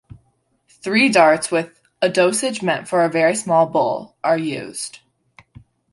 Three darts with 'a dosage meant for a very small bull' are used.